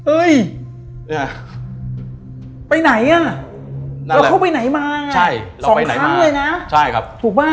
เอ้ยไปไหนอะเราเข้าไปไหนมาสองครั้งเลยนะถูกป่ะ